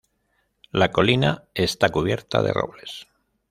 La colina está cubierta de robles.